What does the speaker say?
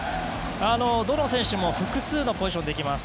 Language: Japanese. どの選手も複数のポジションができます。